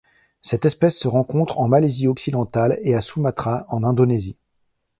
Cette espèce se rencontre en Malaisie occidentale et à Sumatra en Indonésie.